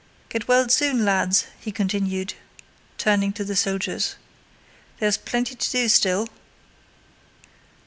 "Get well soon, lads!" he continued, turning to the soldiers. "There's plenty to do still."